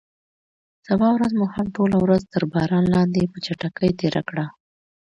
سبا ورځ مو هم ټوله ورځ تر باران لاندې په چټکۍ تېره کړه.